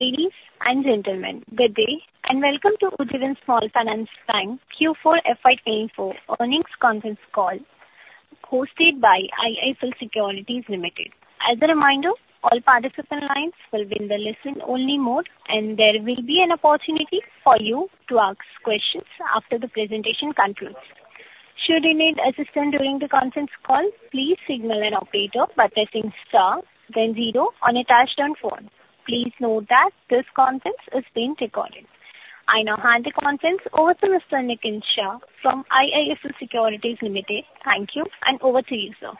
Ladies and gentlemen, good day, and welcome to Ujjivan Small Finance Bank Q4 FY 2024 earnings conference call, hosted by IIFL Securities Limited. As a reminder, all participant lines will be in the listen only mode, and there will be an opportunity for you to ask questions after the presentation concludes. Should you need assistance during the conference call, please signal an operator by pressing star then zero on your touch-tone phone. Please note that this conference is being recorded. I now hand the conference over to Mr. Nikunj Shah from IIFL Securities Limited. Thank you, and over to you, sir.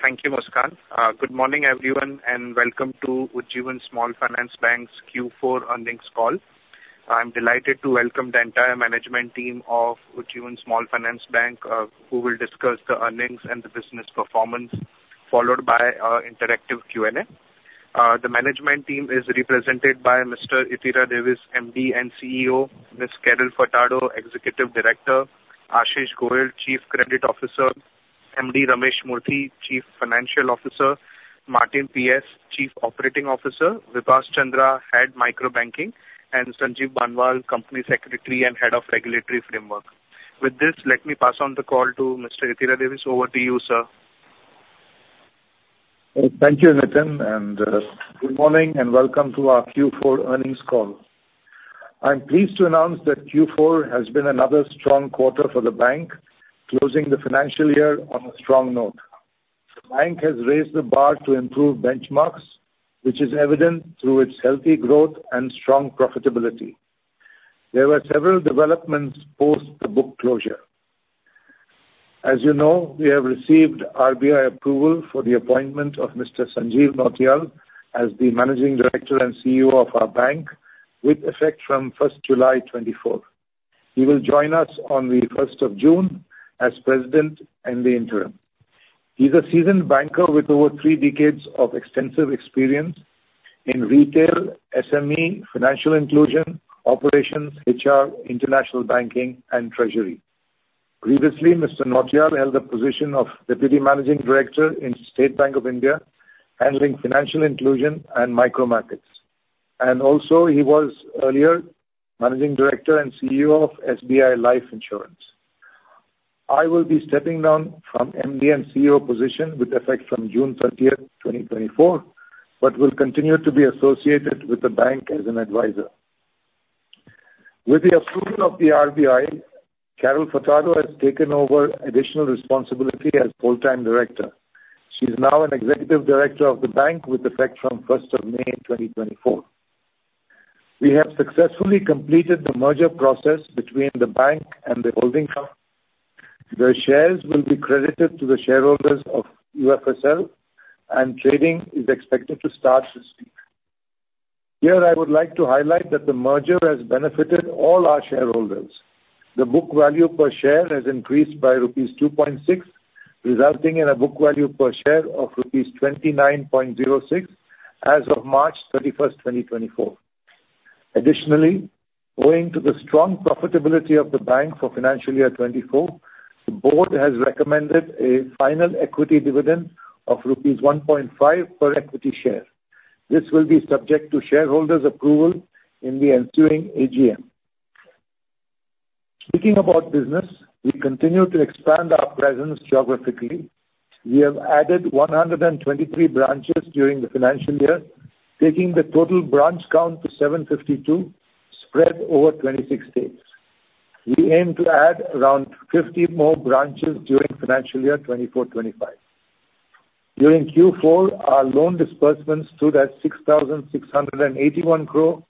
Thank you, Muskan. Good morning, everyone, and welcome to Ujjivan Small Finance Bank's Q4 earnings call. I'm delighted to welcome the entire management team of Ujjivan Small Finance Bank, who will discuss the earnings and the business performance, followed by our interactive Q&A. The management team is represented by Mr. Ittira Davis, MD and CEO, Ms. Carol Furtado, Executive Director, Ashish Goel, Chief Credit Officer, Mr. Ramesh Murthy, Chief Financial Officer, Martin P.S., Chief Operating Officer, Vibhas Chandra, Head Micro Banking, and Sanjeev Barnwal, Company Secretary and Head of Regulatory Framework. With this, let me pass on the call to Mr. Ittira Davis. Over to you, sir. Thank you, Nitin, and good morning and welcome to our Q4 earnings call. I'm pleased to announce that Q4 has been another strong quarter for the bank, closing the financial year on a strong note. The bank has raised the bar to improve benchmarks, which is evident through its healthy growth and strong profitability. There were several developments post the book closure. As you know, we have received RBI approval for the appointment of Mr. Sanjeev Nautiyal as the Managing Director and CEO of our bank, with effect from July first, 2024. He will join us on June first as President in the interim. He's a seasoned banker with over three decades of extensive experience in retail, SME, financial inclusion, operations, HR, international banking, and treasury. Previously, Mr. Sanjeev Nautiyal held the position of Deputy Managing Director in State Bank of India, handling financial inclusion and micro markets. Also, he was earlier Managing Director and CEO of SBI Life Insurance. I will be stepping down from MD and CEO position with effect from June 30, 2024, but will continue to be associated with the bank as an advisor. With the approval of the RBI, Carol Furtado has taken over additional responsibility as full-time director. She's now an Executive Director of the bank with effect from May 1, 2024. We have successfully completed the merger process between the bank and the holding company. The shares will be credited to the shareholders of UFSL, and trading is expected to start this week. Here, I would like to highlight that the merger has benefited all our shareholders. The book value per share has increased by rupees 2.6, resulting in a book value per share of rupees 29.06 as of March 31, 2024. Additionally, owing to the strong profitability of the bank for financial year 2024, the board has recommended a final equity dividend of rupees 1.5 per equity share. This will be subject to shareholders' approval in the ensuing AGM. Speaking about business, we continue to expand our presence geographically. We have added 123 branches during the financial year, taking the total branch count to 752, spread over 26 states. We aim to add around 50 more branches during financial year 2024-25. During Q4, our loan disbursements stood at 6,681 crore,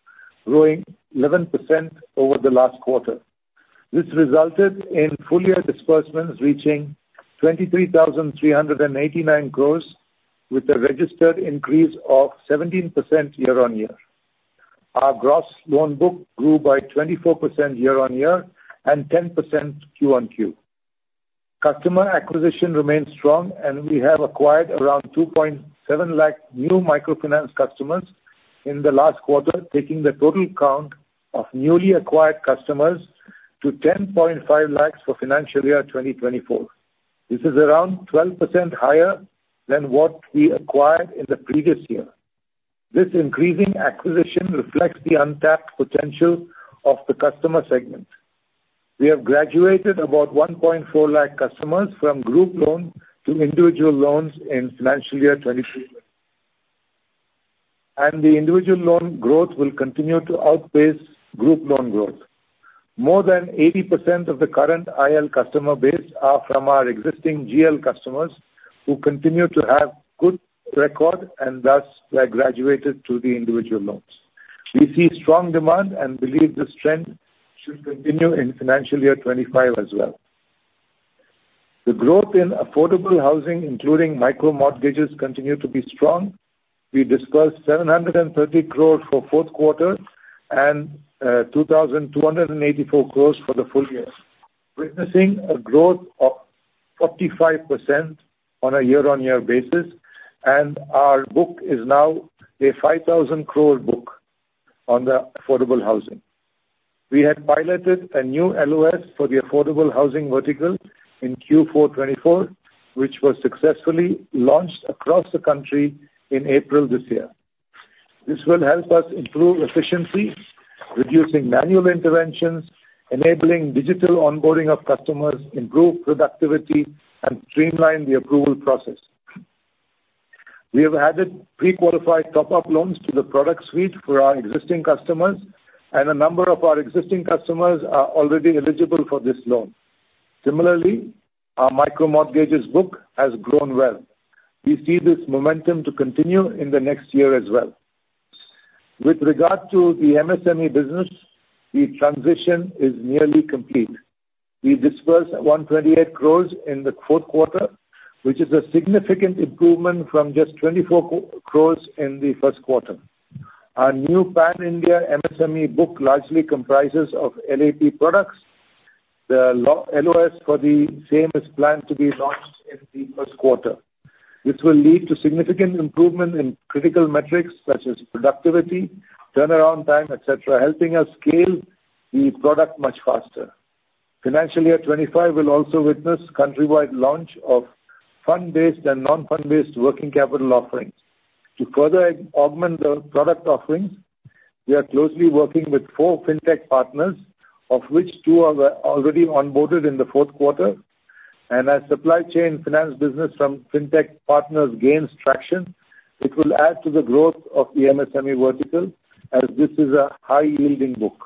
growing 11% over the last quarter. This resulted in full year disbursements reaching 23,389 crore, with a registered increase of 17% year-on-year. Our gross loan book grew by 24% year-on-year and 10% QoQ. Customer acquisition remains strong, and we have acquired around 2.7 lakh new microfinance customers in the last quarter, taking the total count of newly acquired customers to 10.5 lakh for financial year 2024. This is around 12% higher than what we acquired in the previous year. This increasing acquisition reflects the untapped potential of the customer segment. We have graduated about 1.4 lakh customers from group loan to individual loans in financial year 2023. The individual loan growth will continue to outpace group loan growth. More than 80% of the current IL customer base are from our existing GL customers, who continue to have good record and thus were graduated to the individual loans. We see strong demand and believe this trend should continue in financial year 25 as well. The growth in affordable housing, including micro mortgages, continue to be strong. We dispersed 730 crore for fourth quarter and two thousand two hundred and eighty-four crores for the full year, witnessing a growth of 45% on a year-on-year basis, and our book is now a 5,000 crore book on the affordable housing. We had piloted a new LOS for the affordable housing vertical in Q4 2024, which was successfully launched across the country in April this year. This will help us improve efficiency, reducing manual interventions, enabling digital onboarding of customers, improve productivity, and streamline the approval process. We have added pre-qualified top-up loans to the product suite for our existing customers, and a number of our existing customers are already eligible for this loan. Similarly, our micro mortgages book has grown well. We see this momentum to continue in the next year as well. With regard to the MSME business, the transition is nearly complete. We disbursed 128 crore in the fourth quarter, which is a significant improvement from just 24 crore in the first quarter. Our new Pan-India MSME book largely comprises of LAP products. The LOS for the same is planned to be launched in the first quarter. This will lead to significant improvement in critical metrics such as productivity, turnaround time, et cetera, helping us scale the product much faster. Financial year 2025 will also witness countrywide launch of fund-based and non-fund-based working capital offerings. To further augment the product offerings, we are closely working with 4 fintech partners, of which two are already onboarded in the fourth quarter, and as supply chain finance business from fintech partners gains traction, it will add to the growth of the MSME vertical, as this is a high-yielding book.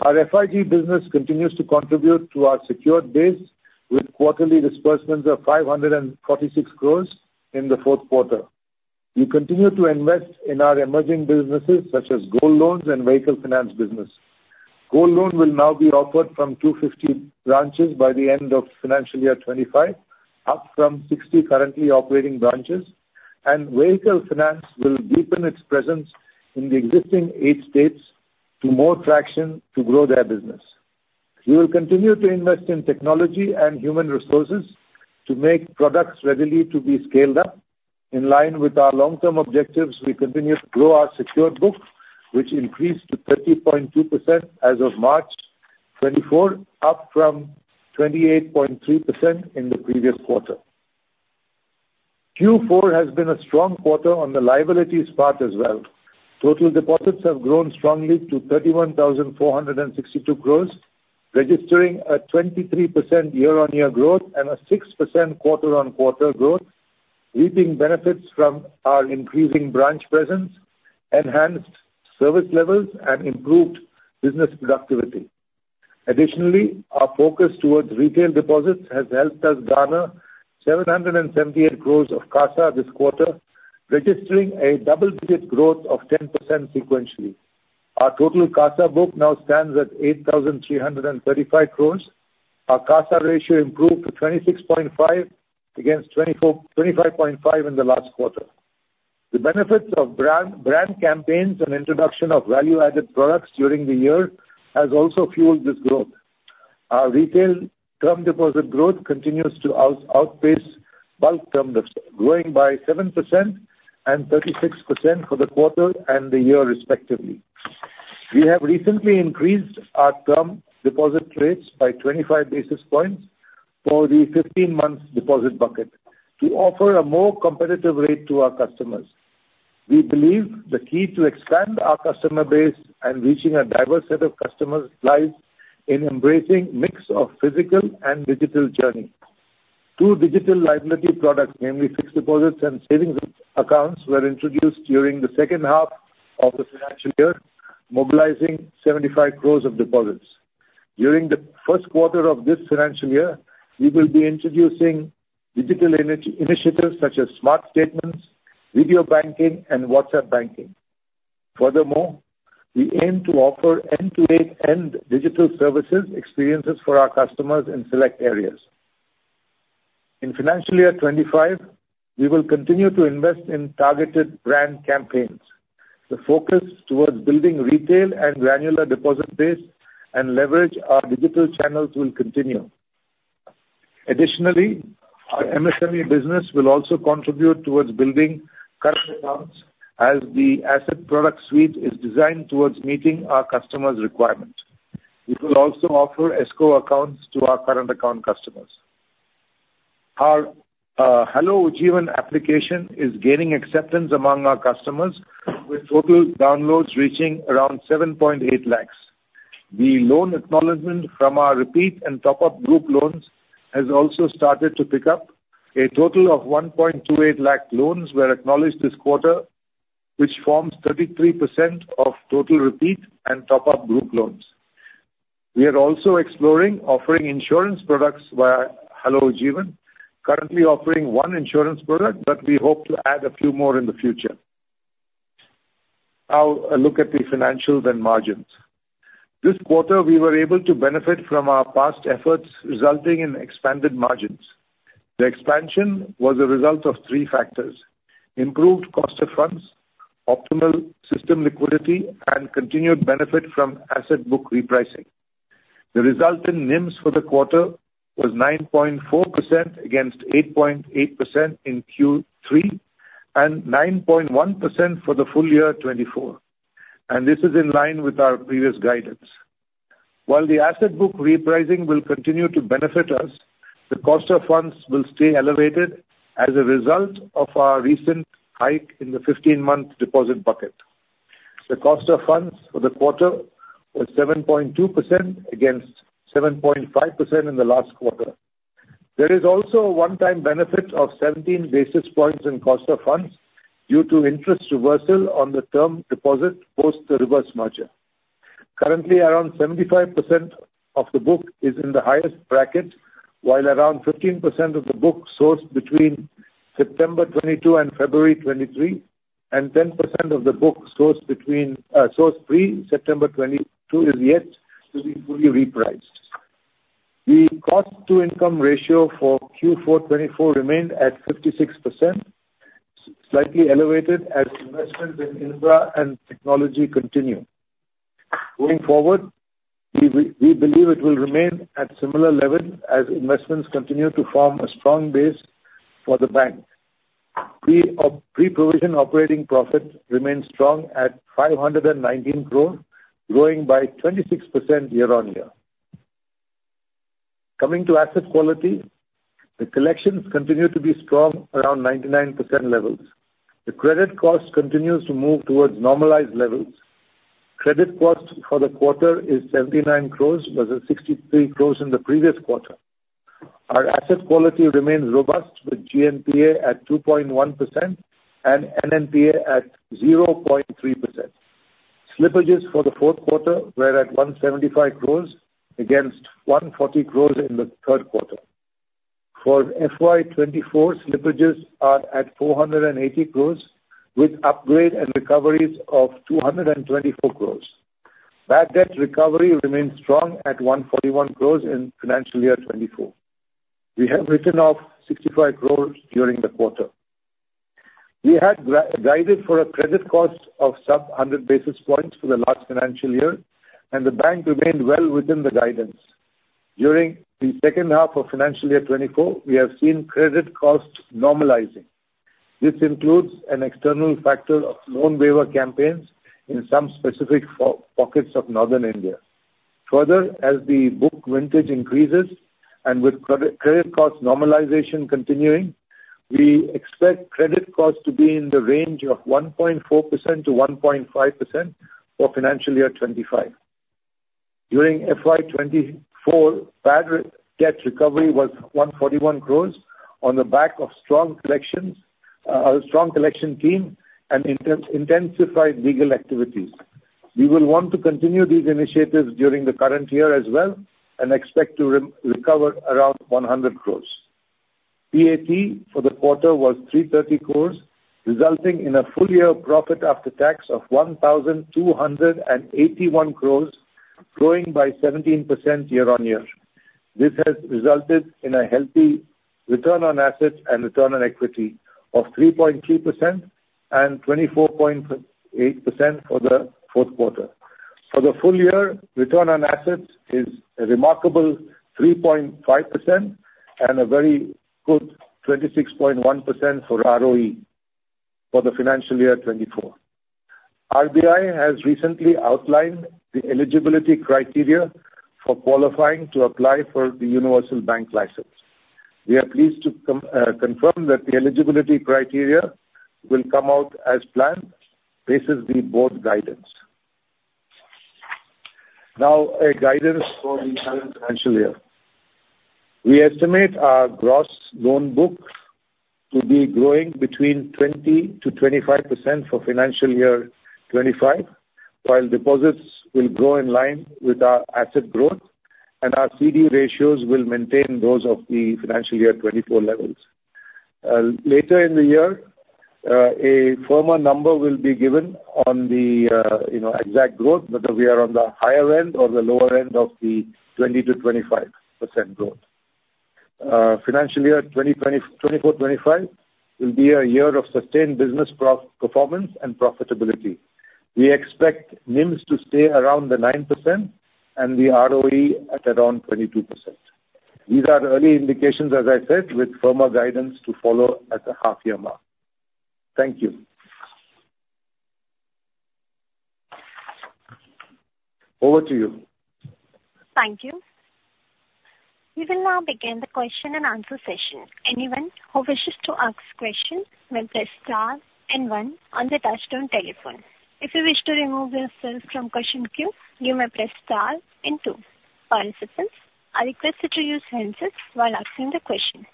Our FIG business continues to contribute to our secured base, with quarterly disbursements of 546 crore in the fourth quarter. We continue to invest in our emerging businesses, such as gold loans and vehicle finance business. Gold loan will now be offered from 250 branches by the end of financial year 2025, up from 60 currently operating branches, and vehicle finance will deepen its presence in the existing eight states to more traction to grow their business. We will continue to invest in technology and human resources to make products readily to be scaled up. In line with our long-term objectives, we continue to grow our secured book, which increased to 30.2% as of March 2024, up from 28.3% in the previous quarter. Q4 has been a strong quarter on the liabilities part as well. Total deposits have grown strongly to 31,462 crore, registering a 23% year-on-year growth and a 6% quarter-on-quarter growth, reaping benefits from our increasing branch presence, enhanced service levels and improved business productivity. Additionally, our focus towards retail deposits has helped us garner 778 crore of CASA this quarter, registering a double-digit growth of 10% sequentially. Our total CASA book now stands at 8,335 crore. Our CASA ratio improved to 26.5% against 25.5 in the last quarter. The benefits of brand campaigns and introduction of value-added products during the year has also fueled this growth. Our retail term deposit growth continues to outpace bulk term deposits growing by 7% and 36% for the quarter and the year respectively. We have recently increased our term deposit rates by 25 basis points for the 15-month deposit bucket to offer a more competitive rate to our customers. We believe the key to expand our customer base and reaching a diverse set of customers lies in embracing mix of physical and digital journey. Two digital liability products, namely fixed deposits and savings accounts, were introduced during the second half of the financial year, mobilizing 75 crore of deposits. During the first quarter of this financial year, we will be introducing digital initiatives such as smart statements, video banking and WhatsApp banking. Furthermore, we aim to offer end-to-end digital services experiences for our customers in select areas. In financial year 2025, we will continue to invest in targeted brand campaigns. The focus towards building retail and granular deposit base and leverage our digital channels will continue. Additionally, our MSME business will also contribute towards building current accounts as the asset product suite is designed towards meeting our customers' requirement. We will also offer escrow accounts to our current account customers. Our Hello Ujjivan application is gaining acceptance among our customers, with total downloads reaching around 7.8 lakhs. The loan acknowledgement from our repeat and top-up group loans has also started to pick up. A total of 1.28 lakh loans were acknowledged this quarter, which forms 33% of total repeat and top-up group loans. We are also exploring offering insurance products via Hello Ujjivan, currently offering 1 insurance product, but we hope to add a few more in the future. Now, a look at the financials and margins. This quarter, we were able to benefit from our past efforts, resulting in expanded margins. The expansion was a result of three factors: improved cost of funds, optimal system liquidity, and continued benefit from asset book repricing. The resulting NIMs for the quarter was 9.4% against 8.8% in Q3, and 9.1% for the full year 2024, and this is in line with our previous guidance. While the asset book repricing will continue to benefit us, the cost of funds will stay elevated as a result of our recent hike in the 15-month deposit bucket. The cost of funds for the quarter was 7.2%, against 7.5% in the last quarter. There is also a one-time benefit of 17 basis points in cost of funds due to interest reversal on the term deposit post the reverse merger. Currently, around 75% of the book is in the highest bracket, while around 15% of the book sourced between September 2022 and February 2023, and 10% of the book sourced pre-September 2022 is yet to be fully repriced. The cost-to-income ratio for Q4 2024 remained at 56%, slightly elevated as investment in infra and technology continue. Going forward, we believe it will remain at similar levels as investments continue to form a strong base for the bank. Pre-provision operating profit remains strong at 519 crore, growing by 26% year-on-year. Coming to asset quality, the collections continue to be strong, around 99% levels. The credit cost continues to move towards normalized levels. Credit cost for the quarter is 79 crore, versus 63 crore in the previous quarter. Our asset quality remains robust, with GNPA at 2.1% and NNPA at 0.3%. Slippages for the fourth quarter were at 175 crore, against 140 crore in the third quarter. For FY 2024, slippages are at 480 crore, with upgrade and recoveries of 224 crore. Bad debt recovery remains strong at 141 crore in financial year 2024. We have written off 65 crore during the quarter. We had guided for a credit cost of sub 100 basis points for the last financial year, and the bank remained well within the guidance. During the second half of financial year 2024, we have seen credit costs normalizing. This includes an external factor of loan waiver campaigns in some specific pockets of Northern India. Further, as the book vintage increases, and with credit cost normalization continuing, we expect credit costs to be in the range of 1.4%-1.5% for financial year 2025. During FY 2024, bad debt recovery was 141 crore on the back of strong collections, a strong collection team and intensified legal activities. We will want to continue these initiatives during the current year as well and expect to recover around 100 crore. PAT for the quarter was 330 crore, resulting in a full year profit after tax of 1,281 crore, growing by 17% year-on-year. This has resulted in a healthy return on assets and return on equity of 3.3% and 24.8% for the fourth quarter. For the full year, return on assets is a remarkable 3.5% and a very good 26.1% for ROE for the financial year 2024. RBI has recently outlined the eligibility criteria for qualifying to apply for the universal bank license. We are pleased to confirm that the eligibility criteria will come out as planned, basis the board guidance. Now, a guidance for the current financial year. We estimate our gross loan book to be growing between 20%-25% for financial year 2025, while deposits will grow in line with our asset growth, and our CD ratios will maintain those of the financial year 2024 levels. Later in the year, a firmer number will be given on the, you know, exact growth, whether we are on the higher end or the lower end of the 20%-25% growth. Financial year 2024/2025 will be a year of sustained business performance and profitability. We expect NIMs to stay around the 9% and the ROE at around 22%. These are early indications, as I said, with firmer guidance to follow at the half year mark. Thank you. Over to you. Thank you. We will now begin the question-and-answer session. Anyone who wishes to ask questions may press star and one on the touchtone telephone. If you wish to remove yourself from question queue, you may press star and two. Participants are requested to use handsets while asking the question.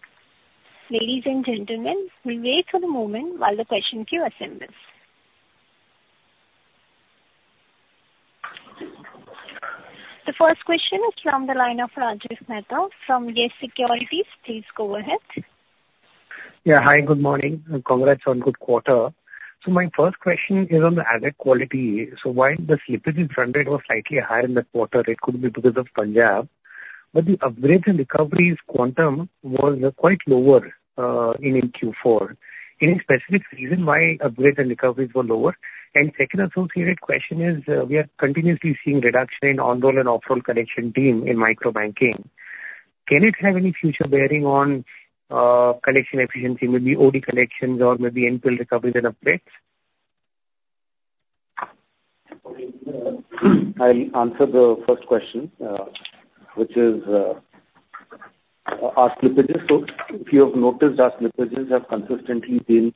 Ladies and gentlemen, we wait for the moment while the question queue assembles. The first question is from the line of Rajesh Mehta from Yes Securities. Please go ahead. Yeah. Hi, good morning, and congrats on good quarter. My first question is on the asset quality. Why the slippage in run rate was slightly higher in the quarter? It could be because of Punjab.... but the upgrades and recoveries quantum was quite lower in Q4. Any specific reason why upgrades and recoveries were lower? And second associated question is, we are continuously seeing reduction in on-roll and off-roll collection team in micro-banking. Can it have any future bearing on collection efficiency, maybe OD collections or maybe recoveries and upgrades? I'll answer the first question, which is, our slippages. So if you have noticed, our slippages have consistently been,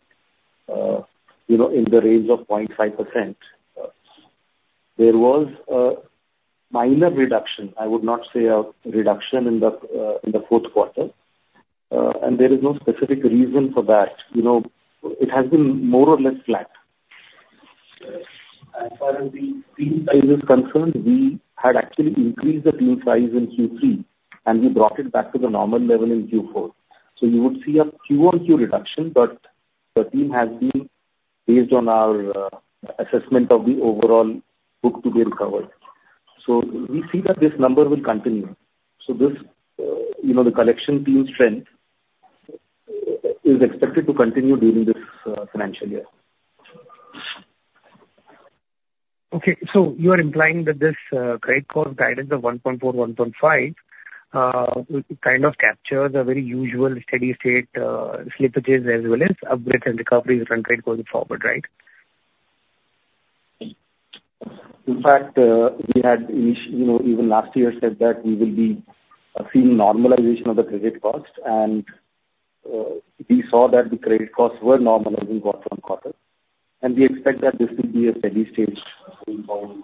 you know, in the range of 0.5%. There was a minor reduction, I would not say a reduction in the, in the fourth quarter, and there is no specific reason for that. You know, it has been more or less flat. As far as the team size is concerned, we had actually increased the team size in Q3, and we brought it back to the normal level in Q4. So you would see a Q over Q reduction, but the team has been based on our, assessment of the overall book to be recovered. So we see that this number will continue. So this, you know, the collection team's strength is expected to continue during this, financial year. Okay. So you are implying that this, credit card guidance of 1.4-1.5, kind of captures a very usual steady state, slippages as well as upgrades and recoveries from credit going forward, right? In fact, you know, even last year said that we will be seeing normalization of the credit costs, and we saw that the credit costs were normalizing quarter on quarter, and we expect that this will be a steady state going forward.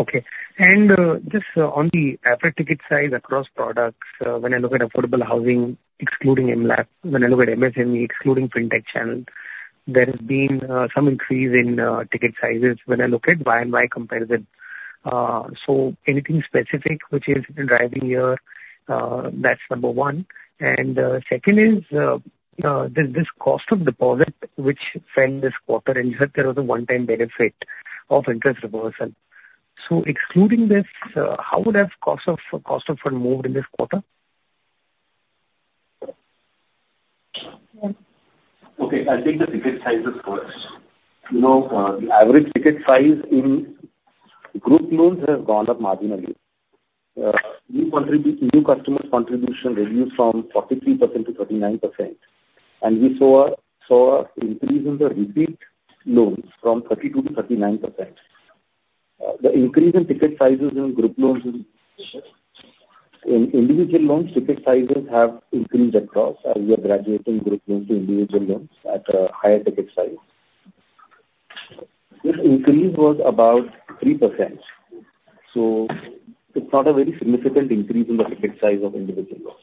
Okay. And, just on the average ticket size across products, when I look at affordable housing, excluding mLAP, when I look at MSME, excluding Fintech channel, there has been, some increase in, ticket sizes when I look at Y and Y comparison. So anything specific which is driving here, that's number one. And, second is, this, this cost of deposit, which fell this quarter, and you said there was a one-time benefit of interest reversal. So excluding this, how would have cost of, cost of fund moved in this quarter? Okay, I'll take the ticket sizes first. You know, the average ticket size in group loans has gone up marginally. New customers' contribution reduced from 43%-39%, and we saw an increase in the repeat loans from 32%-39%. The increase in ticket sizes in group loans, in individual loans, ticket sizes have increased across as we are graduating group loans to individual loans at a higher ticket size. This increase was about 3%, so it's not a very significant increase in the ticket size of individual loans.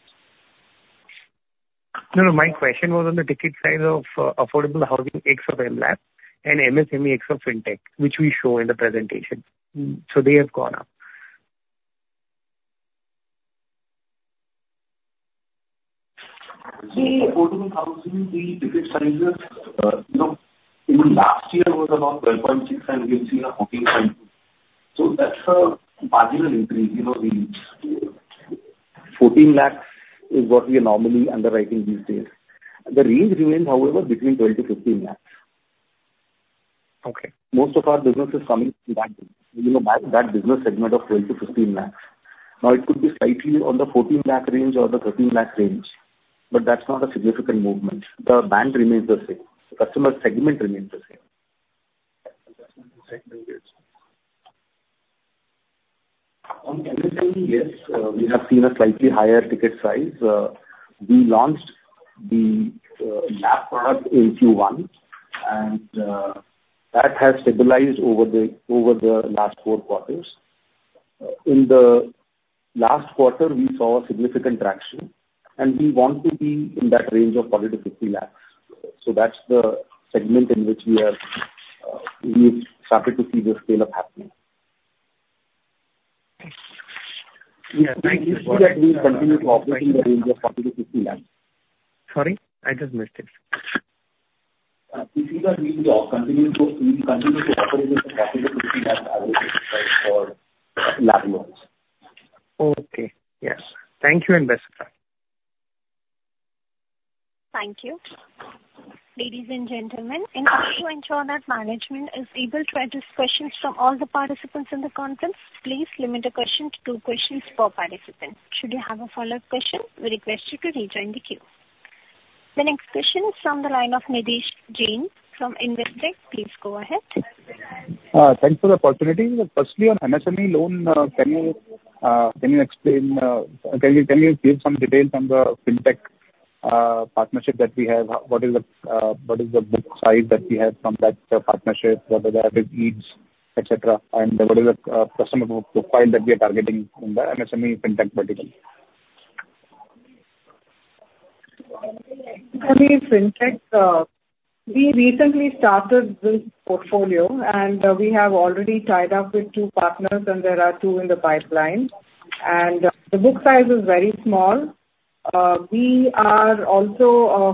No, no. My question was on the ticket size of affordable housing ex of mLAP and MSME ex of Fintech, which we show in the presentation. So they have gone up. The affordable housing, the ticket sizes, you know, even last year was around 12.6, and we have seen a 14. So that's a marginal increase, you know, the 14 lakhs is what we are normally underwriting these days. The range remains, however, between 12-15 lakhs. Okay. Most of our business is coming back, you know, back, that business segment of 12-15 lakhs. Now, it could be slightly on the 14 lakh range or the 13 lakh range, but that's not a significant movement. The band remains the same. The customer segment remains the same. On MSME, yes, we have seen a slightly higher ticket size. We launched the, LAP product in Q1, and that has stabilized over the, over the last four quarters. In the last quarter, we saw significant traction, and we want to be in that range of 40-50 lakhs. So that's the segment in which we are, we have started to see the scale-up happening. Yes, thank you. We continue to operate in the range of INR 40 lakh-INR 50 lakh. Sorry, I just missed it. We see that we will continue to, we continue to operate in the INR 40-50 lakhs average size for LAP loans. Okay. Yes. Thank you, and bye-bye. Thank you. Ladies and gentlemen, in order to ensure that management is able to address questions from all the participants in the conference, please limit the question to two questions per participant. Should you have a follow-up question, we request you to rejoin the queue. The next question is from the line of Nidish Jain from Investec. Please go ahead. Thanks for the opportunity. First, on MSME loan, can you explain, can you give some details on the Fintech partnership that we have? What is the book size that we have from that partnership? What are the added needs, et cetera, and what is the customer group profile that we are targeting in the MSME Fintech vertical? MSME Fintech, we recently started this portfolio, and we have already tied up with two partners, and there are two in the pipeline. And the book size is very small. ... we are also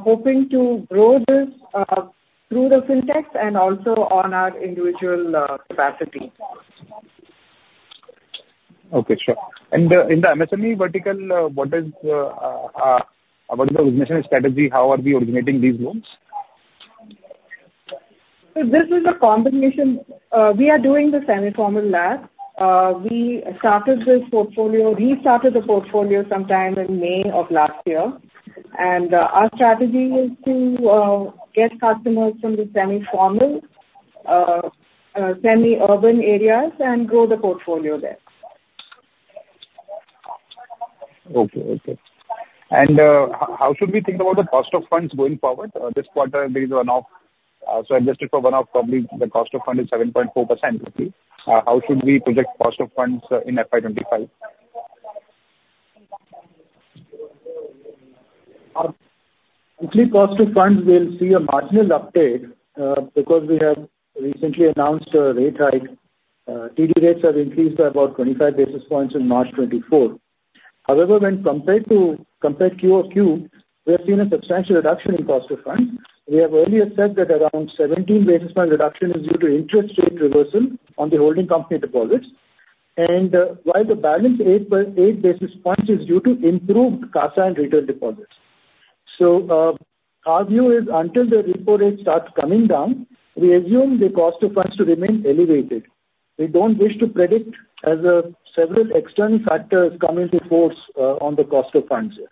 hoping to grow this through the FinTechs and also on our individual capacity. Okay, sure. In the MSME vertical, what is our origination strategy? How are we originating these loans? So this is a combination. We are doing the semi-formal LAP. We started this portfolio, restarted the portfolio sometime in May of last year. And, our strategy is to get customers from the semi-formal, semi-urban areas and grow the portfolio there. Okay. Okay. How should we think about the cost of funds going forward? This quarter, there is one-off. So adjusted for one-off, probably the cost of fund is 7.4%. How should we project cost of funds in FY 2025? Actually, cost of funds, we'll see a marginal update, because we have recently announced a rate hike. TD rates have increased by about 25 basis points in March 2024. However, when compared to, compared QoQ, we have seen a substantial reduction in cost of funds. We have already said that around 17 basis point reduction is due to interest rate reversal on the holding company deposits, and, while the balance 8.8 basis points is due to improved CASA and retail deposits. So, our view is until the repo rate starts coming down, we assume the cost of funds to remain elevated. We don't wish to predict as, several external factors come into force, on the cost of funds here.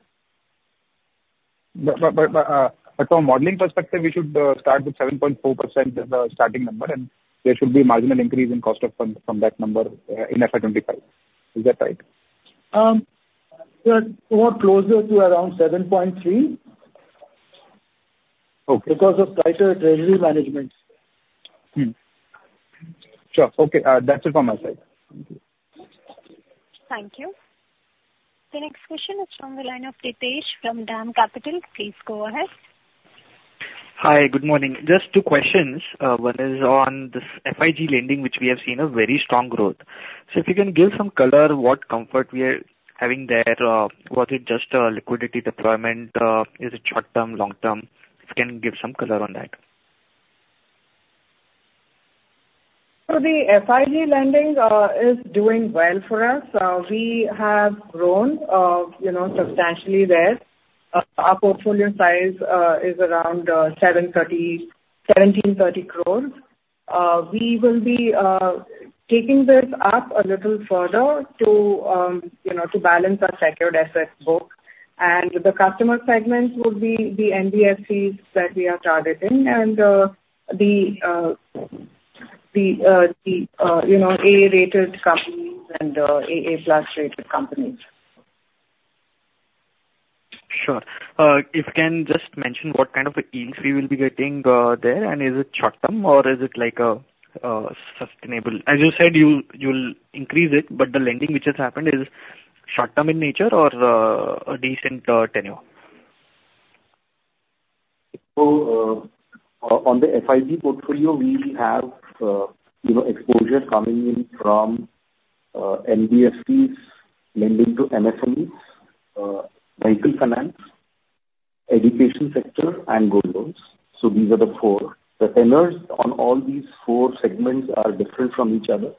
But from a modeling perspective, we should start with 7.4% as our starting number, and there should be marginal increase in cost of fund from that number in FY 2025. Is that right? Well, more closer to around 7.3- Okay. because of tighter treasury management. Hmm. Sure. Okay, that's it from my side. Thank you. Thank you. The next question is from the line of Pritesh from DAM Capital. Please go ahead. Hi, good morning. Just two questions. One is on this FIG lending, which we have seen a very strong growth. So if you can give some color, what comfort we are having there? Was it just, liquidity deployment? Is it short term, long term? If you can give some color on that. So the FIG lending is doing well for us. We have grown, you know, substantially there. Our portfolio size is around 730-1,730 crores INR. We will be taking this up a little further to, you know, to balance our secured assets book. And the customer segment would be the NBFCs that we are targeting and the A-rated companies and AA plus rated companies. Sure. If you can just mention what kind of a yield we will be getting, there, and is it short term or is it like a sustainable? As you said, you will increase it, but the lending which has happened is short term in nature or a decent tenure. So, on the FIG portfolio, we have, you know, exposure coming in from, NBFCs lending to MSMEs, vehicle finance, education sector and gold loans. So these are the four. The tenors on all these four segments are different from each other.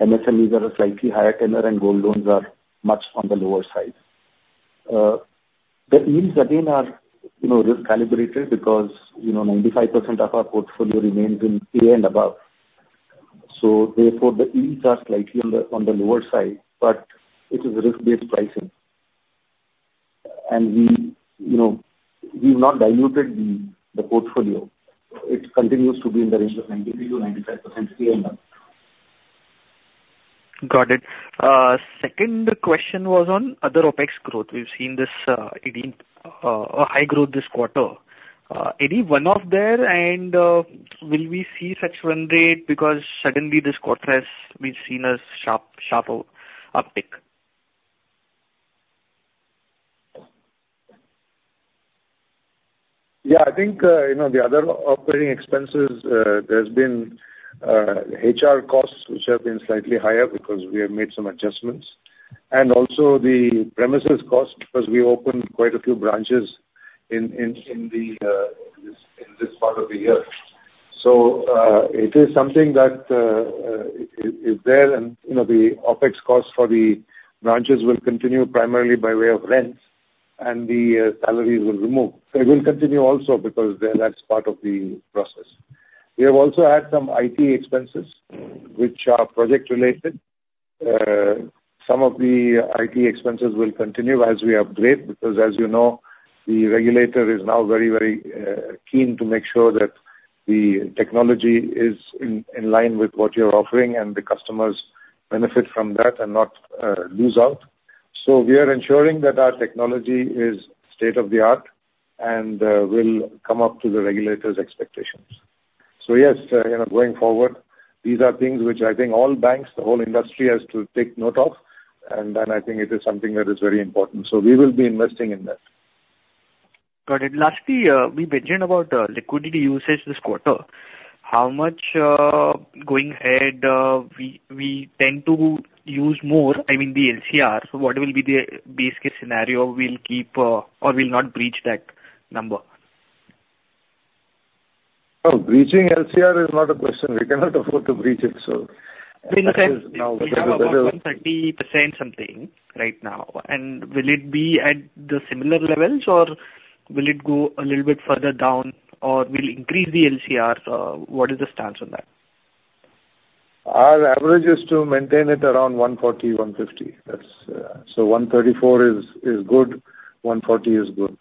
MSMEs are a slightly higher tenor and gold loans are much on the lower side. The yields again are, you know, risk calibrated because, you know, 95% of our portfolio remains in A and above. So therefore, the yields are slightly on the lower side, but it is risk-based pricing. And we, you know, we've not diluted the portfolio. It continues to be in the range of 93%-95% A and above. Got it. Second question was on other OPEX growth. We've seen this, it is, a high growth this quarter. Any one-off there, and, will we see such run rate? Because suddenly this quarter has been seen as sharp, sharp out, uptick. Yeah, I think, you know, the other operating expenses, there's been HR costs, which have been slightly higher because we have made some adjustments, and also the premises cost, because we opened quite a few branches in this part of the year. So, it is something that is there, and, you know, the OPEX costs for the branches will continue primarily by way of rents, and the salaries will remove. It will continue also because that's part of the process. We have also had some IT expenses, which are project related. Some of the IT expenses will continue as we upgrade, because as you know, the regulator is now very, very, keen to make sure that the technology is in line with what you're offering and the customers benefit from that and not lose out. So we are ensuring that our technology is state-of-the-art and will come up to the regulator's expectations. So yes, you know, going forward, these are things which I think all banks, the whole industry has to take note of, and then I think it is something that is very important, so we will be investing in that.... Got it. Lastly, we mentioned about liquidity usage this quarter. How much going ahead we tend to use more, I mean, the LCR. So what will be the base case scenario? We'll keep or we'll not breach that number. Oh, breaching LCR is not a question. We cannot afford to breach it, so- We have about 130% something right now, and will it be at the similar levels, or will it go a little bit further down, or we'll increase the LCR? So what is the stance on that? Our average is to maintain it around 140, 150. That's. So 134 is good, 140 is good.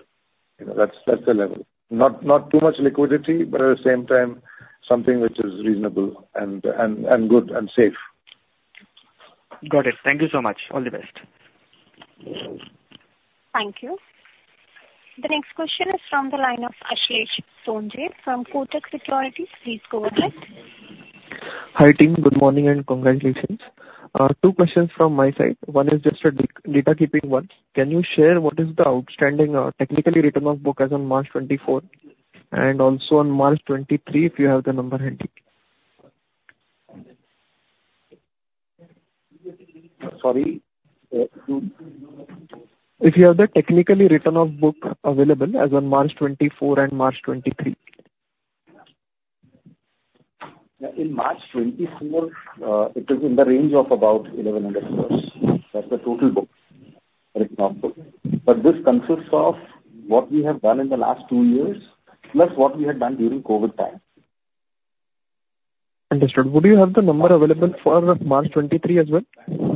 You know, that's the level. Not too much liquidity, but at the same time, something which is reasonable and good and safe. Got it. Thank you so much. All the best. Thank you. The next question is from the line of Ashlesh Sonje from Kotak Securities. Please go ahead. Hi, team. Good morning and congratulations. Two questions from my side. One is just a data keeping one. Can you share what is the outstanding, technically written off book as on March twenty-fourth, and also on March twenty-three, if you have the number handy? Sorry, to? If you have the technically written-off book available as on March 2024 and March 2023? In March 2024, it was in the range of about 1,100 crore. That's the total book, written-off book. But this consists of what we have done in the last two years, plus what we had done during COVID time. Understood. Would you have the number available for March 2023 as well?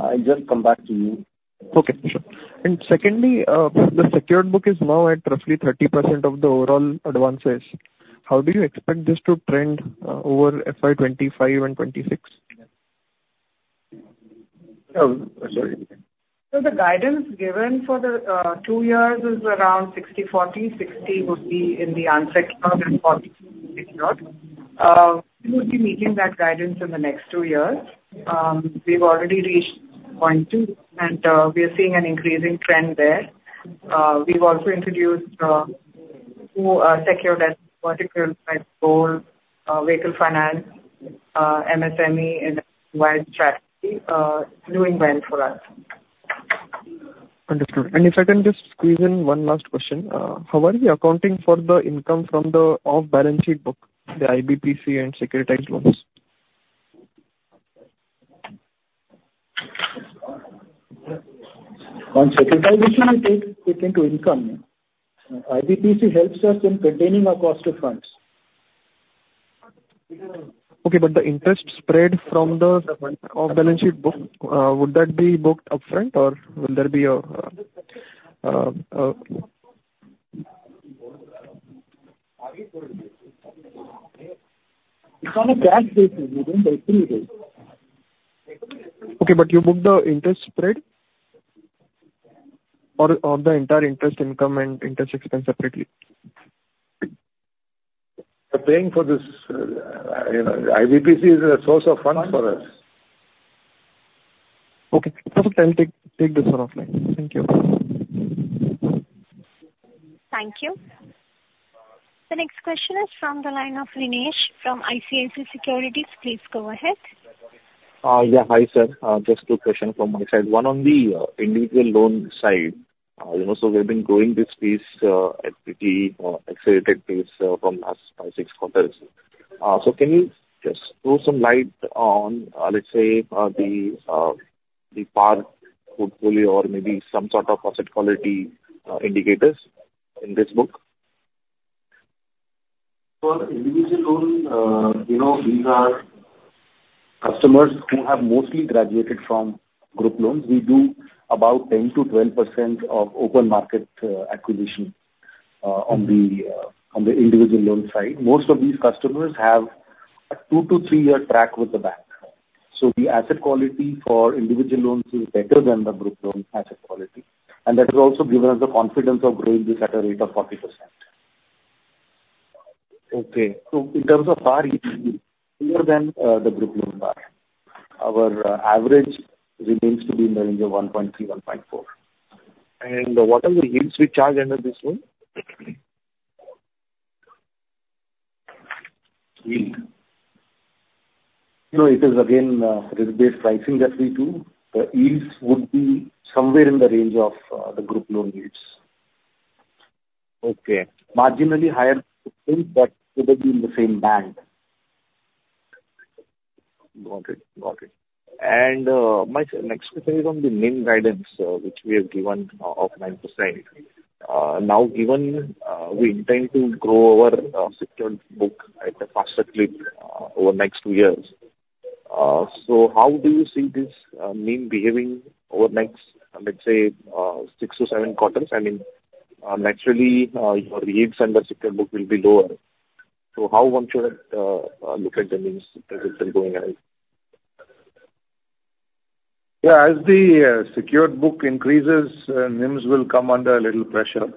I'll just come back to you. Okay, sure. And secondly, the secured book is now at roughly 30% of the overall advances. How do you expect this to trend over FY 25 and 26? Um, sorry. So the guidance given for the two years is around 60/40. Sixty would be in the unsecured, and forty, secured. We would be meeting that guidance in the next two years. We've already reached 0.2, and we are seeing an increasing trend there. We've also introduced more secured as particular by gold, vehicle finance, MSME, and wide doing well for us. Understood. If I can just squeeze in one last question. How are you accounting for the income from the off-balance sheet book, the IBPC and securitized loans? On securitized, we will take it into income. IBPC helps us in containing our cost of funds. Okay, but the interest spread from the off-balance sheet book, would that be booked upfront or will there be a, a- It's on a cash basis. We don't recognize. Okay, but you book the interest spread? Or, or the entire interest income and interest expense separately? We're paying for this, you know, IBPC is a source of funds for us. Okay, perfect. I'll take this one offline. Thank you. Thank you. The next question is from the line of Renish from ICICI Securities. Please go ahead. Yeah, hi, sir. Just two question from my side. One on the individual loan side. You know, so we've been growing this piece at pretty accelerated pace from last five, six quarters. So can you just throw some light on, let's say, the PAR portfolio or maybe some sort of asset quality indicators in this book? For individual loans, you know, these are customers who have mostly graduated from group loans. We do about 10%-12% of open market acquisition on the, on the individual loan side. Most of these customers have a two to three year track with the bank. So the asset quality for individual loans is better than the group loan asset quality, and that has also given us the confidence of growing this at a rate of 40%. Okay. In terms of PAR, it will be lower than the group loan PAR. Our average remains to be in the range of 1.3-1.4. What are the yields we charge under this one? Yield? You know, it is again, risk-based pricing that we do. The yields would be somewhere in the range of, the group loan yields. Okay. Marginally higher, but would have been in the same band. Got it. Got it. And my next question is on the NIM guidance, which we have given, of 9%. Now, given we intend to grow our secured book at a faster clip, over the next two years. So how do you see this NIM behaving over the next, let's say, six to seven quarters? I mean, naturally, your yields under secured book will be lower. So how one should look at the NIMs as it's been going on? Yeah, as the secured book increases, NIMs will come under a little pressure....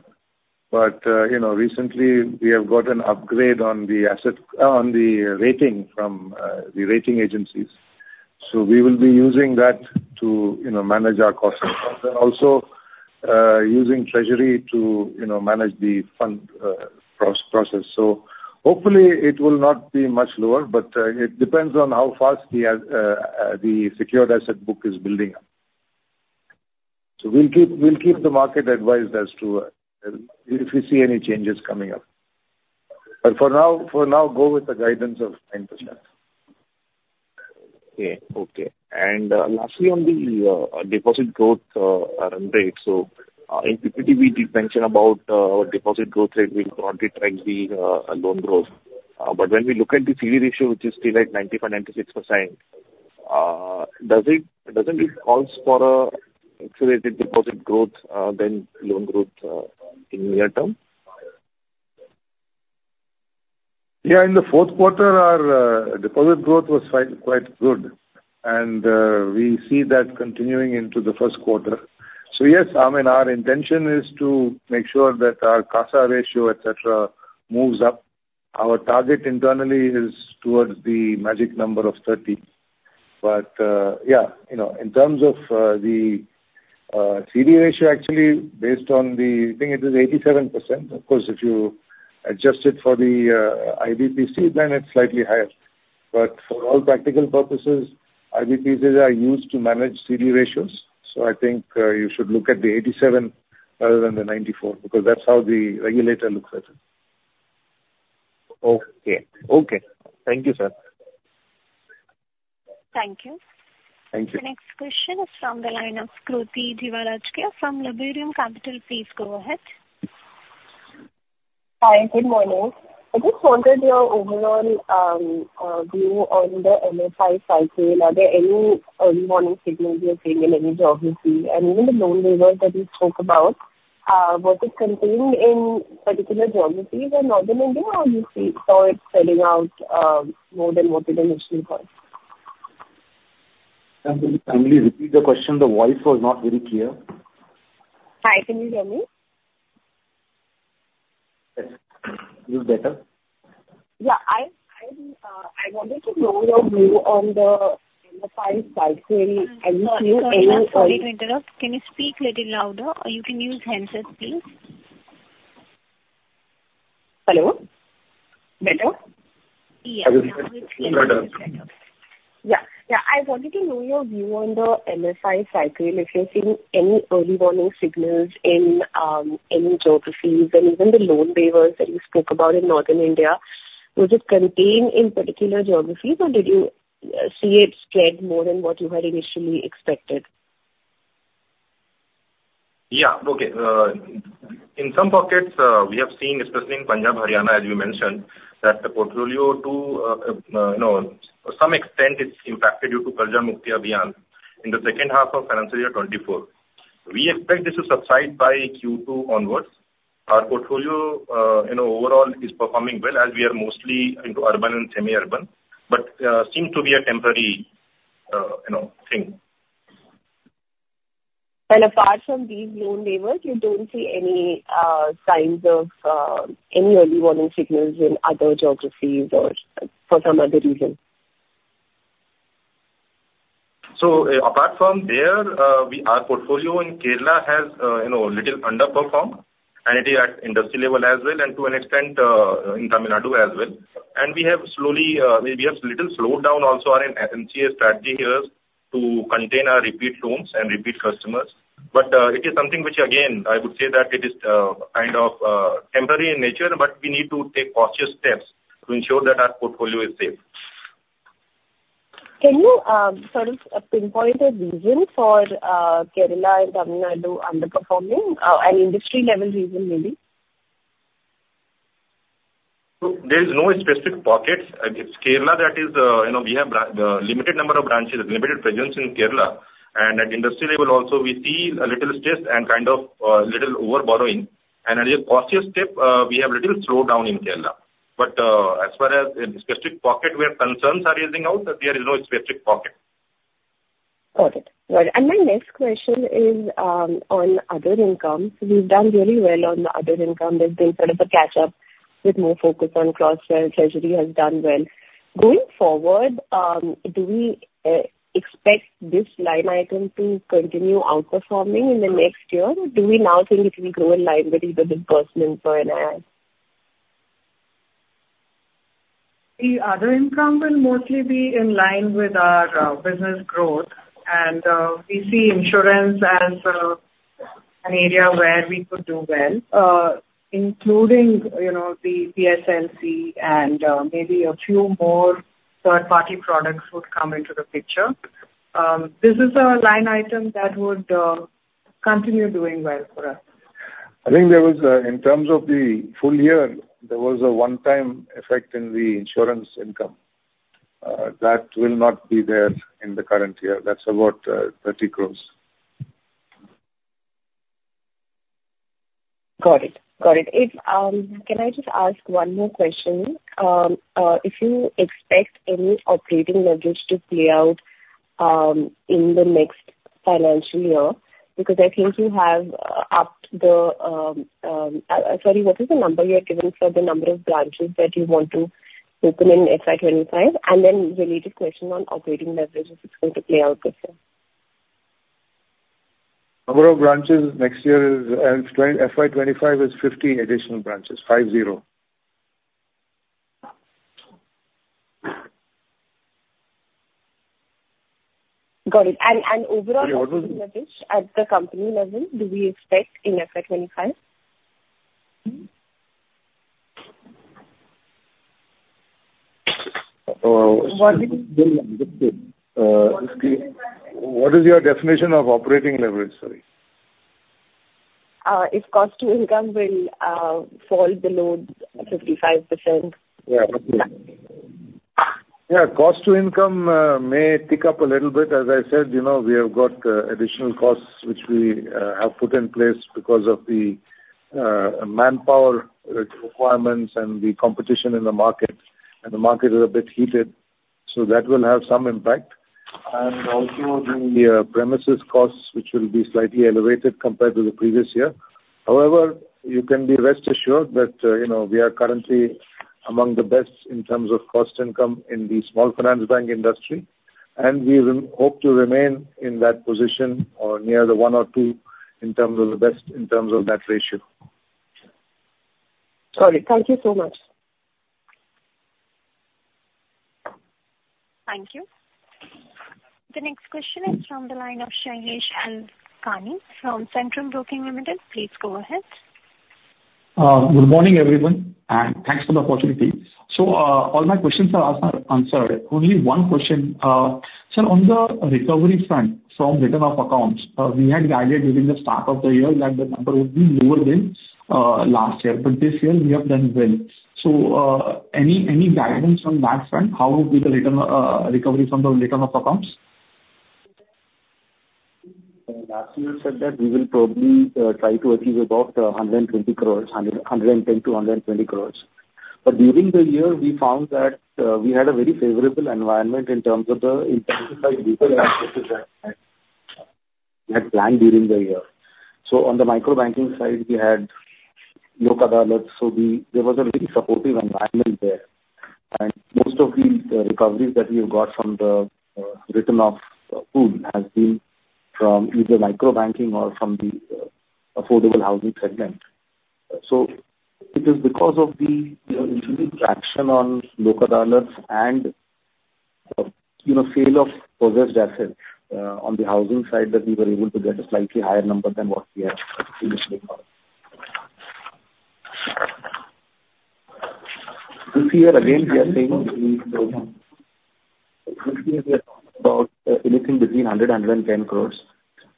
but, you know, recently we have got an upgrade on the asset, on the rating from the rating agencies. So we will be using that to, you know, manage our costs, and also, using treasury to, you know, manage the fund, process. So hopefully it will not be much lower, but, it depends on how fast the secured asset book is building up. So we'll keep, we'll keep the market advised as to if we see any changes coming up. But for now, for now, go with the guidance of 10%. Okay, okay. And lastly, on the deposit growth run rate, so in Q3, we did mention about deposit growth rate will not track the loan growth. But when we look at the CD ratio, which is still at 94-96%, does it-- doesn't it calls for a accelerated deposit growth than loan growth in near term? Yeah, in the fourth quarter, our deposit growth was quite, quite good, and we see that continuing into the first quarter. So yes, I mean, our intention is to make sure that our CASA ratio, et cetera, moves up. Our target internally is towards the magic number of 30. But yeah, you know, in terms of the CD ratio actually based on the, I think it is 87%. Of course, if you adjust it for the IBPC, then it's slightly higher. But for all practical purposes, IBPCs are used to manage CD ratios. So I think you should look at the 87 rather than the 94, because that's how the regulator looks at it. Okay. Okay. Thank you, sir. Thank you. Thank you. The next question is from the line of Kriti Dwarkar from Laburnum Capital. Please go ahead. Hi, good morning. I just wondered your overall view on the MFI cycle. Are there any early warning signals you're seeing in any geography? And even the loan waivers that you spoke about, was it contained in particular geographies or Northern India, or you saw it spreading out, more than what you had initially thought? Can you kindly repeat the question? The voice was not very clear. Hi, can you hear me? Yes. Much better. Yeah, I wanted to know your view on the five cycles. Sorry to interrupt. Can you speak little louder, or you can use handset, please? Hello. Better? Yes. Better. Yeah. Yeah, I wanted to know your view on the MFI cycle, if you're seeing any early warning signals in any geographies, and even the loan waivers that you spoke about in Northern India, was it contained in particular geographies, or did you see it spread more than what you had initially expected? Yeah. Okay. In some pockets, we have seen, especially in Punjab, Haryana, as you mentioned, that the portfolio to, you know, some extent it's impacted due to Karja Mukti Abhiyan in the second half of financial year 2024. We expect this to subside by Q2 onwards. Our portfolio, you know, overall is performing well, as we are mostly into urban and semi-urban, but, seems to be a temporary, you know, thing. Apart from these loan waivers, you don't see any signs of any early warning signals in other geographies or for some other reason? So apart from there, we, our portfolio in Kerala has, you know, little underperformed, and it is at industry level as well, and to an extent, in Tamil Nadu as well. We have slowly, we have little slowed down also our NCA strategy here to contain our repeat loans and repeat customers. It is something which again, I would say that it is, kind of, temporary in nature, but we need to take cautious steps to ensure that our portfolio is safe. Can you, sort of, pinpoint a reason for, Kerala and Tamil Nadu underperforming, an industry level reason maybe? There is no specific pockets. It's Kerala that is, you know, we have a limited number of branches, limited presence in Kerala, and at industry level also, we see a little stress and kind of, little overborrowing, and as a cautious step, we have little slowdown in Kerala. But, as far as a specific pocket where concerns are raising out, that there is no specific pocket. Got it. Got it. My next question is, on other income. You've done really well on the other income. There's been sort of a catch up with more focus on cross-sell, treasury has done well. Going forward, do we expect this line item to continue outperforming in the next year, or do we now think it will go in line with the disbursement for NII? The other income will mostly be in line with our business growth, and we see insurance as an area where we could do well, including, you know, the P&C and maybe a few more third-party products would come into the picture. This is a line item that would continue doing well for us. I think there was, in terms of the full year, there was a one-time effect in the insurance income. That will not be there in the current year. That's about, thirty crores. Got it. Got it. Can I just ask one more question? If you expect any operating leverage to play out in the next financial year, because I think you have upped the, sorry, what is the number you had given for the number of branches that you want to open in FY 25? And then related question on operating leverage, if it's going to play out this year. Number of branches next year is, FY 2025 is 50 additional branches. 50. Got it. And overall- Yeah, what was the- -at the company level, do we expect in FY 25? Uh- What is- What is your definition of operating leverage? Sorry. If cost to income will fall below 55%. Yeah. Yeah, cost to income may tick up a little bit. As I said, you know, we have got additional costs which we have put in place because of the manpower requirements and the competition in the market, and the market is a bit heated, so that will have some impact. And also, the premises costs, which will be slightly elevated compared to the previous year. However, you can be rest assured that, you know, we are currently among the best in terms of cost income in the small finance bank industry, and we hope to remain in that position or near the one or two in terms of the best, in terms of that ratio. Sorry. Thank you so much. Thank you. The next question is from the line of Shailesh Kanani from Centrum Broking Limited. Please go ahead. Good morning, everyone, and thanks for the opportunity. So, all my questions are already answered. Only one question. So on the recovery front, from written-off accounts, we had guided during the start of the year that the number would be lower than last year, but this year we have done well. So, any guidance from that front? How will the recovery from the written-off accounts be? Last year said that we will probably try to achieve about 120 crores, 110-120 crores. But during the year, we found that we had a very favorable environment in terms of like we had planned during the year. So on the micro banking side, we had Lok Adalat. There was a very supportive environment there. And most of the recoveries that we have got from the written-off pool has been from either micro banking or from the affordable housing segment. So it is because of the, you know, increased action on Lok Adalat and, you know, sale of repossessed assets on the housing side, that we were able to get a slightly higher number than what we had initially thought. This year, again, we are saying we, this year we are about, anything between 100-110 crore.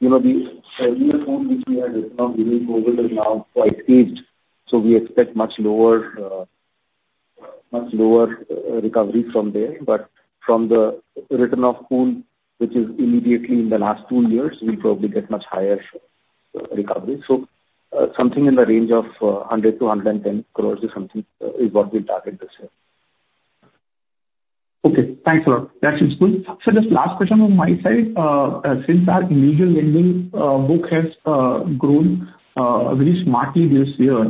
You know, the year which we had written off during COVID is now quite aged, so we expect much lower, much lower, recovery from there. But from the written-off pool, which is immediately in the last two years, we'll probably get much higher, recovery. So, something in the range of, 100-110 crore is something, is what we target this year. Okay, thanks a lot. That's useful. Sir, just last question on my side. Since our individual lending book has grown very smartly this year,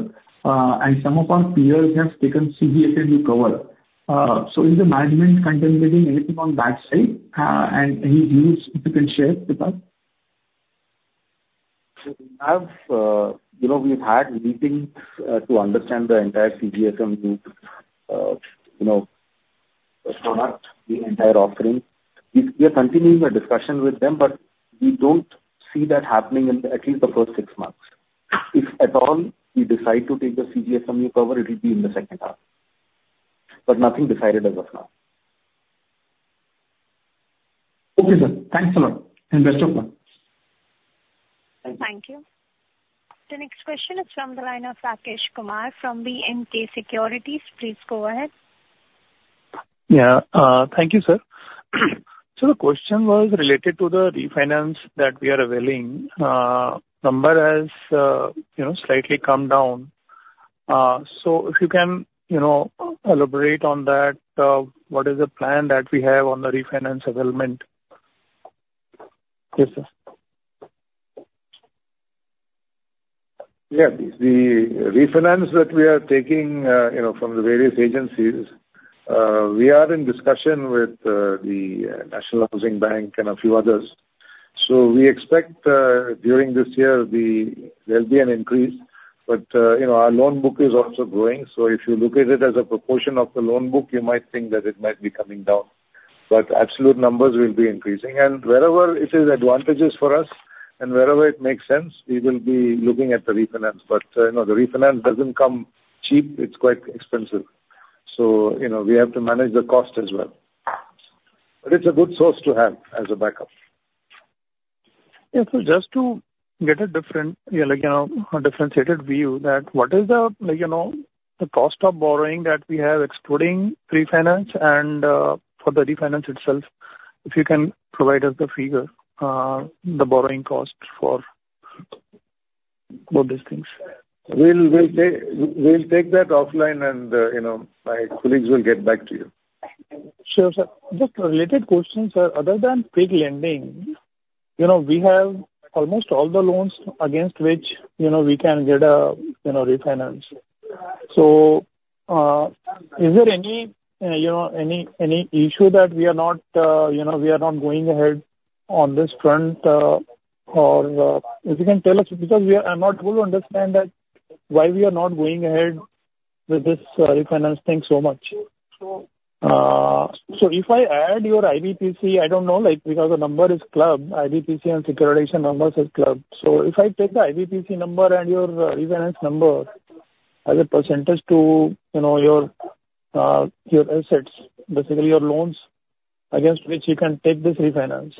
and some of our peers have taken CGFMU to cover. So is the management contemplating anything on that side, and any views you can share with us? We have, you know, we've had meetings, to understand the entire CGFMU group, you know, product, the entire offering. We, we are continuing the discussion with them, but we don't see that happening in at least the first six months. If at all, we decide to take the CGFMU to cover, it will be in the second half, but nothing decided as of now. Okay, sir. Thanks a lot, and best of luck. Thank you. The next question is from the line of Rakesh Kumar, from B&K Securities. Please go ahead. Yeah. Thank you, sir. So the question was related to the refinance that we are availing. Number has, you know, slightly come down. So if you can, you know, elaborate on that, what is the plan that we have on the refinance availment? Yes, sir. Yeah. The refinance that we are taking, you know, from the various agencies, we are in discussion with the National Housing Bank and a few others. So we expect, during this year, there'll be an increase, but, you know, our loan book is also growing. So if you look at it as a proportion of the loan book, you might think that it might be coming down, but absolute numbers will be increasing. And wherever it is advantageous for us and wherever it makes sense, we will be looking at the refinance. But, you know, the refinance doesn't come cheap, it's quite expensive. So, you know, we have to manage the cost as well. But it's a good source to have as a backup. Yeah, so just to get a different, yeah, like, you know, a differentiated view, that what is the, like, you know, the cost of borrowing that we have, excluding refinance and, for the refinance itself, if you can provide us the figure, the borrowing cost for-... about these things. We'll take that offline and, you know, my colleagues will get back to you. Sure, sir. Just a related question, sir. Other than FIG lending, you know, we have almost all the loans against which, you know, we can get a, you know, refinance. So, is there any, you know, any issue that we are not, you know, we are not going ahead on this front, or, if you can tell us because we are-- I'm not able to understand that why we are not going ahead with this, refinance thing so much. So if I add your IBPC, I don't know, like, because the number is clubbed, IBPC and securitization numbers is clubbed. So if I take the IBPC number and your refinance number as a percentage to, you know, your your assets, basically your loans, against which you can take this refinance,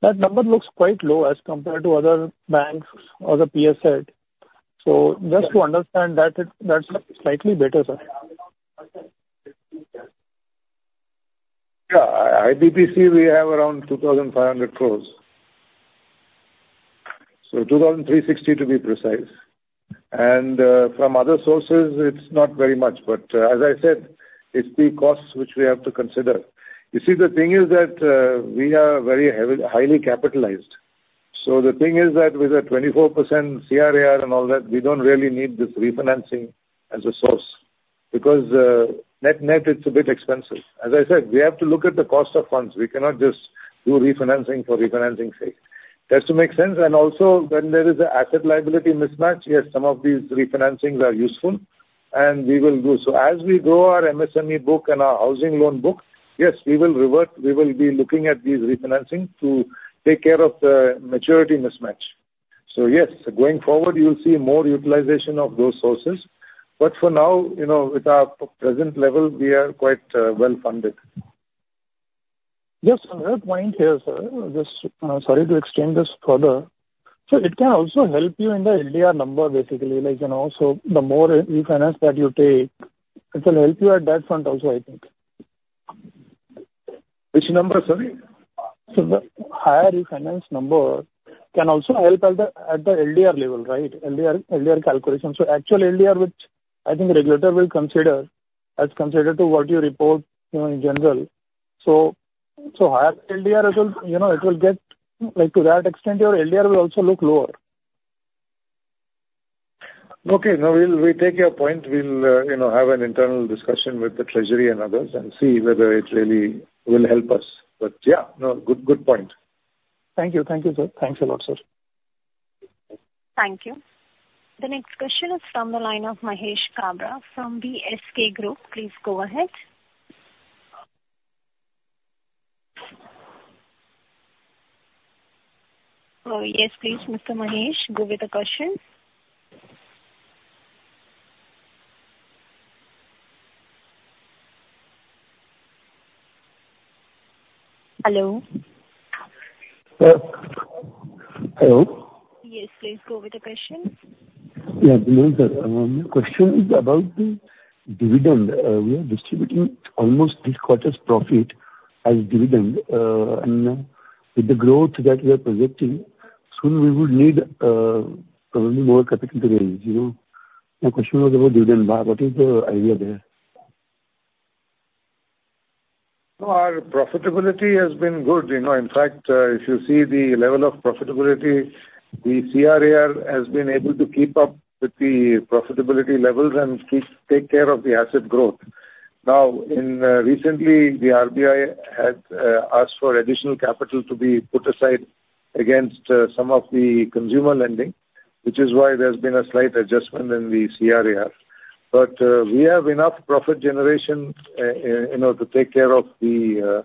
that number looks quite low as compared to other banks or the PSBs. So just to understand that, that's slightly better, sir. Yeah. IBPC, we have around 2,500 crore. So 2,360 crore, to be precise. And from other sources, it's not very much, but as I said, it's the costs which we have to consider. You see, the thing is that we are very heavy, highly capitalized. So the thing is that with a 24% CRAR and all that, we don't really need this refinancing as a source, because net, net, it's a bit expensive. As I said, we have to look at the cost of funds. We cannot just do refinancing for refinancing sake. It has to make sense, and also when there is an asset liability mismatch, yes, some of these refinancings are useful and we will do so. As we grow our MSME book and our housing loan book, yes, we will revert. We will be looking at these refinancing to take care of the maturity mismatch. So yes, going forward, you'll see more utilization of those sources. But for now, you know, with our present level, we are quite, well funded. Just another point here, sir. Just, sorry to extend this further. So it can also help you in the LDR number, basically, like, you know, so the more refinance that you take, it will help you at that front also, I think. Which number, sorry? So the higher refinance number can also help at the LDR level, right? LDR calculation. So actual LDR, which I think regulator will consider, as compared to what you report, you know, in general. So higher LDR, it will, you know, get... Like, to that extent, your LDR will also look lower. Okay. No, we'll, we take your point. We'll, you know, have an internal discussion with the treasury and others and see whether it really will help us. But yeah, no, good, good point. Thank you. Thank you, sir. Thanks a lot, sir. Thank you. The next question is from the line of Mahesh Kabra from the SK Group. Please go ahead. Yes, please, Mr. Mahesh, go with the question. Hello? Uh, hello. Yes, please go with the question. Yeah, good morning, sir. Question is about the dividend. We are distributing almost this quarter's profit as dividend, and with the growth that we are projecting, soon we would need, probably more capital to raise, you know? My question was about dividend. What is the idea there? No, our profitability has been good, you know. In fact, if you see the level of profitability, the CRAR has been able to keep up with the profitability levels and keep, take care of the asset growth. Now, recently, the RBI has asked for additional capital to be put aside against some of the consumer lending, which is why there's been a slight adjustment in the CRAR. But, we have enough profit generation, you know, to take care of the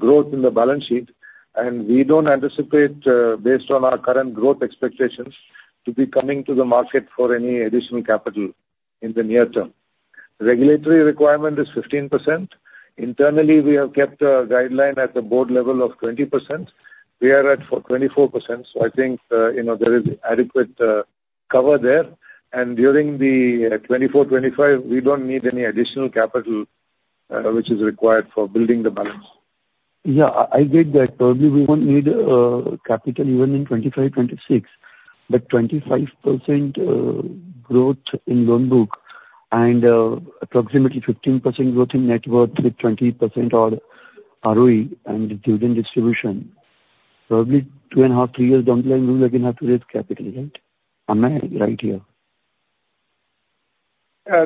growth in the balance sheet, and we don't anticipate, based on our current growth expectations, to be coming to the market for any additional capital in the near term. Regulatory requirement is 15%. Internally, we have kept a guideline at the board level of 20%. We are at 24%, so I think, you know, there is adequate cover there. And during the 2024, 2025, we don't need any additional capital, which is required for building the balance. Yeah, I get that probably we won't need capital even in 2025, 2026, but 25% growth in loan book and approximately 15% growth in net worth with 20% ROE and dividend distribution, probably 2.5-3 years down the line, we will again have to raise capital, right? Am I right here?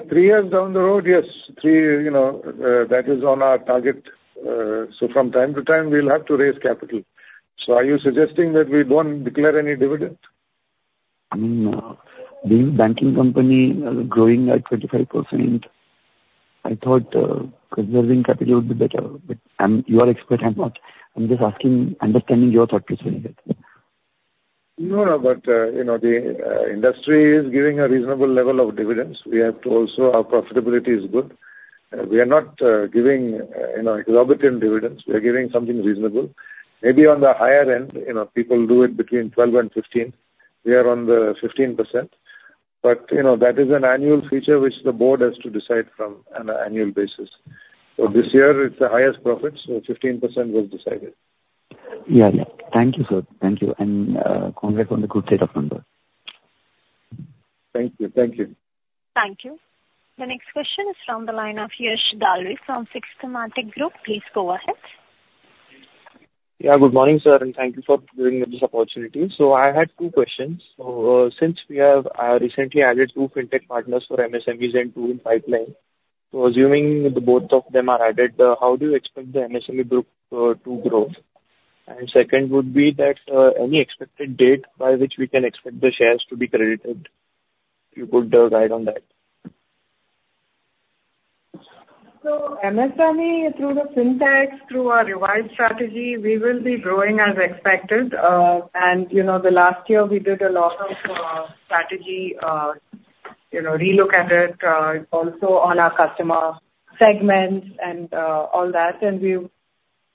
Three years down the road, yes. Three, you know, that is on our target. So from time to time, we'll have to raise capital. So are you suggesting that we don't declare any dividend? I mean, being a banking company, growing at 25%, I thought, preserving capital would be better. But I'm... You are expert, I'm not. I'm just asking, understanding your thought process in it. No, but, you know, the industry is giving a reasonable level of dividends. We have to also, our profitability is good. We are not giving, you know, exorbitant dividends. We are giving something reasonable. Maybe on the higher end, you know, people do it between 12 and 15. We are on the 15%. But, you know, that is an annual feature, which the board has to decide from on an annual basis. So this year it's the highest profits, so 15% was decided. ... Yeah, yeah. Thank you, sir. Thank you, and, congrats on the good set of numbers. Thank you. Thank you. Thank you. The next question is from the line of Yash Dalal from Systematix Group. Please go ahead. Yeah, good morning, sir, and thank you for giving me this opportunity. I had two questions. So, since we have recently added two fintech partners for MSMEs and two in pipeline, so assuming that both of them are added, how do you expect the MSME group to grow? And second would be that, any expected date by which we can expect the shares to be credited, if you could guide on that. So MSME, through the fintechs, through our revised strategy, we will be growing as expected. And you know, the last year, we did a lot of strategy, you know, relook at it, also on our customer segments and all that. And we've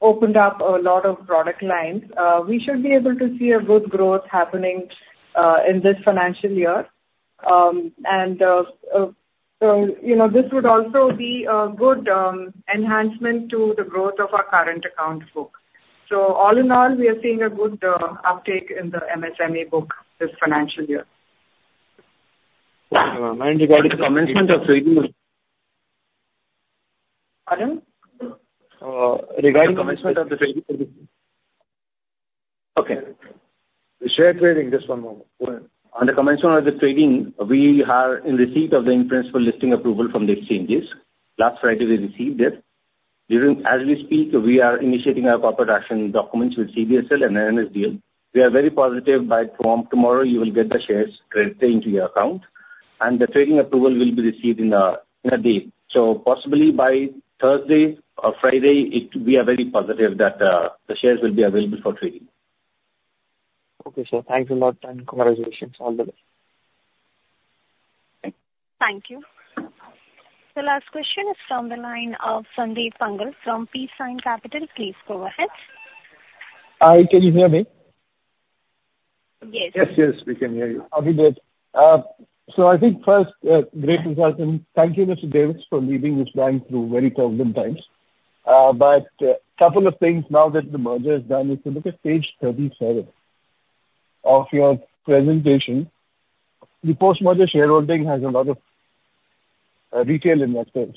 opened up a lot of product lines. We should be able to see a good growth happening in this financial year. And you know, this would also be a good enhancement to the growth of our current account book. So all in all, we are seeing a good uptake in the MSME book this financial year. Regarding the commencement of trading? Pardon? Regarding the commencement of the trading. Okay. The share trading, just one moment. Go ahead. On the commencement of the trading, we are in receipt of the in-principle listing approval from the exchanges. Last Friday, we received it. As we speak, we are initiating our corporate action documents with CDSL and NSDL. We are very positive by tomorrow, you will get the shares credited into your account, and the trading approval will be received in a day. So possibly by Thursday or Friday. We are very positive that the shares will be available for trading. Okay, sir. Thank you a lot, and congratulations all the way. Thank you. The last question is from the line of Sandeep Pangal from Pisces Capital. Please go ahead. Hi, can you hear me? Yes. Yes, yes, we can hear you. Okay, good. So I think first, great result, and thank you, Mr. Davis, for leading this bank through very turbulent times. But a couple of things now that the merger is done, if you look at page 37 of your presentation, the post-merger shareholding has a lot of retail investors.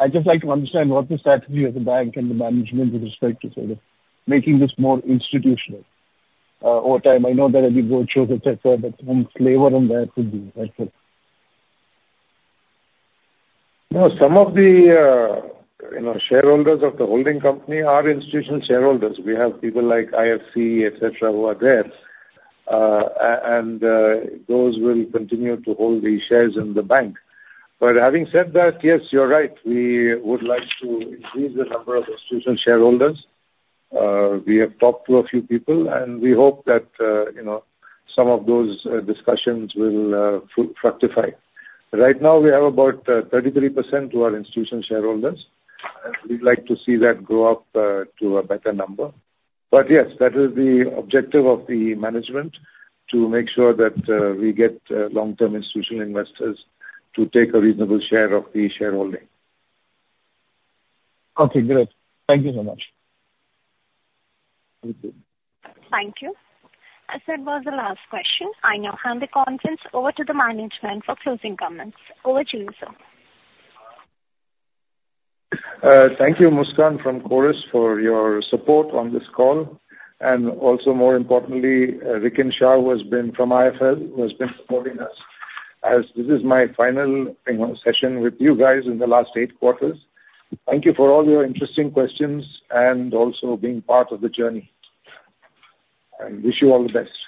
I'd just like to understand what the strategy of the bank and the management with respect to sort of making this more institutional over time. I know there will be roadshows, et cetera, but some flavor on where to be, that's it. No, some of the, you know, shareholders of the holding company are institutional shareholders. We have people like IFC, et cetera, who are there. And those will continue to hold the shares in the bank. But having said that, yes, you're right, we would like to increase the number of institutional shareholders. We have talked to a few people, and we hope that, you know, some of those discussions will fructify. Right now, we have about 33% who are institutional shareholders, and we'd like to see that go up to a better number. But yes, that is the objective of the management, to make sure that we get long-term institutional investors to take a reasonable share of the shareholding. Okay, great. Thank you so much. Thank you. Thank you. As that was the last question, I now hand the conference over to the management for closing comments. Over to you, sir. Thank you, Muskan from Chorus, for your support on this call, and also more importantly, Nitin Shah, who has been from IIFL, who has been supporting us, as this is my final, you know, session with you guys in the last eight quarters. Thank you for all your interesting questions and also being part of the journey, and wish you all the best.